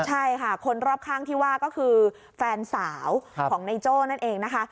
ใช่ค่ะคนรอบข้างที่ว่าก็คือแฟนสาวของนายโจ้นั่นเองนะคะ